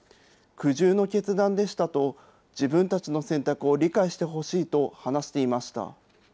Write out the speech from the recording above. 苦渋の決断でしたと、自分たちの選択を理解してほしいと話していました。